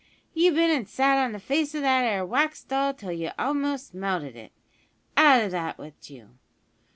you've been an' sat on the face o' that 'ere wax doll till you've a'most melted it. Out o' that with you!